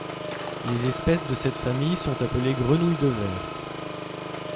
Les espèces de cette famille sont appelées grenouilles de verre.